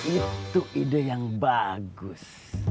itu ide yang bagus